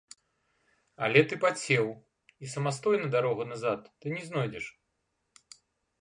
Але ты падсеў, і самастойна дарогу назад ты не знойдзеш.